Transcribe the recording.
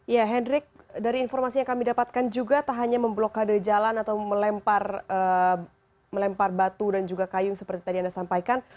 ya hendrik dari informasi yang kami dapatkan juga tak hanya memblokade jalan atau melempar batu dan juga kayu seperti tadi anda sampaikan